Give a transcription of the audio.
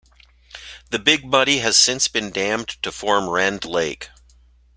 The Big Muddy has since been dammed to form Rend Lake.